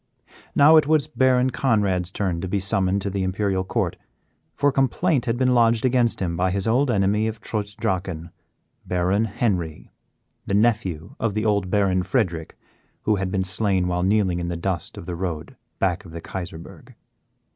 Now it was Baron Conrad's turn to be summoned to the Imperial Court, for complaint had been lodged against him by his old enemy of Trutz Drachen Baron Henry the nephew of the old Baron Frederick who had been slain while kneeling in the dust of the road back of the Kaiserburg.